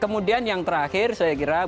kemudian yang terakhir saya kira